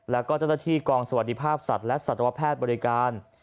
แล้วก็เจ้าหน้าที่กองสวัสดิภาพสัตว์และสัตวแพทย์บริการ